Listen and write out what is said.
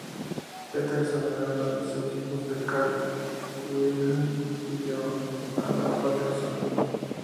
Pettersson era uno de los seis hijos de Carl Wilhelm y Johanna Pettersson.